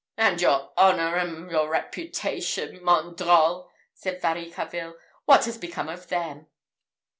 "And your honour and your reputation, mon drole!" said Varicarville, "what has become of them?"